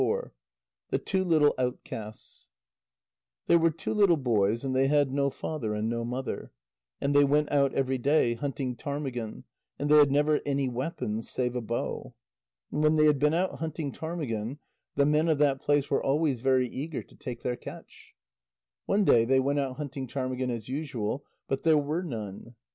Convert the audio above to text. THE TWO LITTLE OUTCASTS There were two little boys and they had no father and no mother, and they went out every day hunting ptarmigan, and they had never any weapons save a bow. And when they had been out hunting ptarmigan, the men of that place were always very eager to take their catch. One day they went out hunting ptarmigan as usual, but there were none.